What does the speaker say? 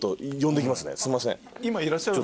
すいません。